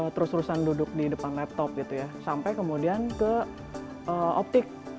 terus terusan duduk di depan laptop gitu ya sampai kemudian ke optik